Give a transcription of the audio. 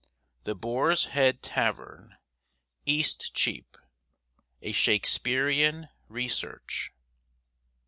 THE BOAR'S HEAD TAVERN, EASTCHEAP. A SHAKESPEARIAN RESEARCH.